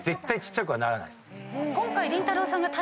今回。